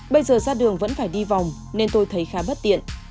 bây giờ ra đường vẫn phải đi vòng nên tôi thấy khá bất tiện